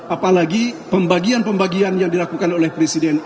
apalagi pembagian pembagian yang dilakukan oleh presiden